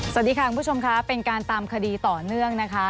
สวัสดีค่ะคุณผู้ชมค่ะเป็นการตามคดีต่อเนื่องนะคะ